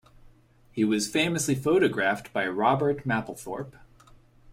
He was famously photographed by Robert Mapplethorpe.